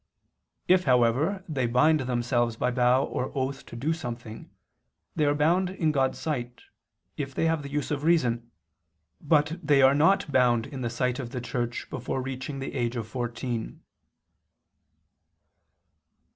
If, however, they bind themselves by vow or oath to do something, they are bound in God's sight, if they have the use of reason, but they are not bound in the sight of the Church before reaching the age of fourteen.